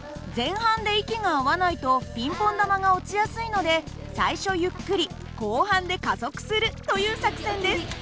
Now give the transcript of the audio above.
前半で息が合わないとピンポン玉が落ちやすいので最初ゆっくり後半で加速するという作戦です。